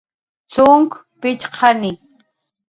cxunk pichqani